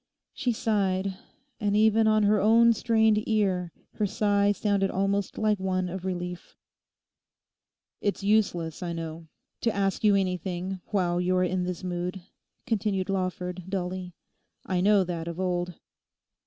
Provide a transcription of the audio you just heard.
She sighed; and even on her own strained ear her sigh sounded almost like one of relief. 'It's useless, I know, to ask you anything while you are in this mood,' continued Lawford dully; 'I know that of old.